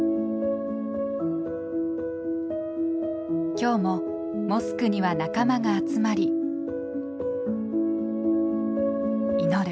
今日もモスクには仲間が集まり祈る。